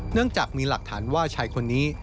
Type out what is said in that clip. เนื่องจากมีหลักฐานว่าชายคนนี้